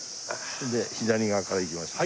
それで左側から行きましょう。